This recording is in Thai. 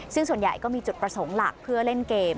ซึ่งส่วนใหญ่ก็มีจุดประสงค์หลักเพื่อเล่นเกม